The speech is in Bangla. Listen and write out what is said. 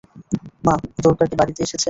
মা, দ্বোরকা কি বাড়ি এসেছে?